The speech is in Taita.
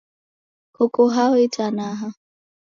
Koko hao itanaha?